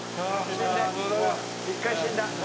「一回死んだ。